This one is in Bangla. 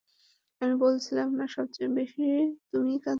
আমি বলেছিলাম না, সবচেয়ে বেশি তুমিই কাঁদবে।